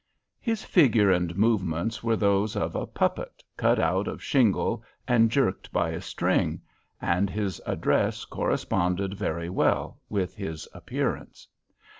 His figure and movements were those of a puppet cut out of shingle and jerked by a string; and his address corresponded very well with his appearance.